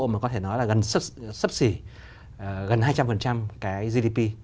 mà có thể nói là gần sắp xỉ gần hai trăm linh cái gdp